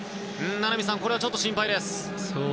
名波さんこれはちょっと心配です。